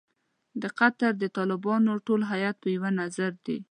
د قطر د طالبانو ټول هیات په یوه نظر دی.